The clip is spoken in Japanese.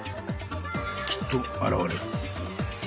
きっと現れる。